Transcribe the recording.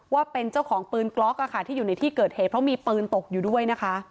ว่าเป็นเจ้าของปืนกล็อกที่อยู่ในที่เกิดเหตุเพราะมีปืนตกอยู่ด้วยนะคะ